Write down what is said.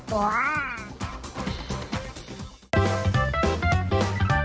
โปรดติดตามตอนต่อไป